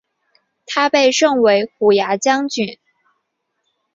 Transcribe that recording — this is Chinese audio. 他被任为虎牙将军。